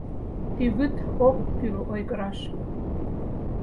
Тӱвыт ок кӱл ойгыраш».